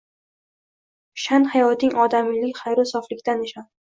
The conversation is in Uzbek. Shan hayoting odamiylik xayru soflikdan nishon